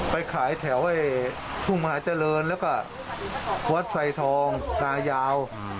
ไปขายแถว๒๒นแล้วก็วัดสายทองกานยาว